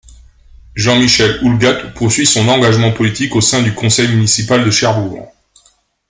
Jean-Michel Houllegatte poursuit son engagement politique au sein du conseil municipal de Cherbourg.